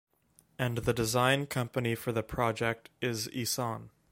And the design company for the project is Isan.